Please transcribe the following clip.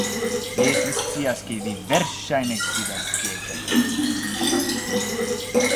Jes, mi scias, ke vi verŝajne sidas tie kaj pensas